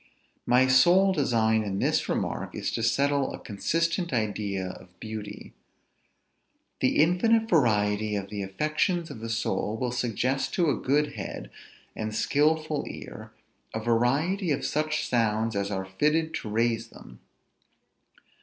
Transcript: My sole design in this remark is to settle a consistent idea of beauty. The infinite variety of the affections of the soul will suggest to a good head, and skilful ear, a variety of such sounds as are fitted to raise them.